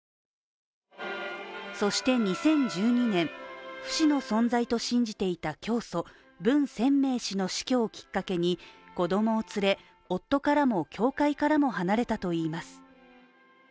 そして２０１２年、不死の存在と信じていた教祖ブン・センメイ氏の死去をきっかけに、子供を連れ夫からも教会からも離れたといいます。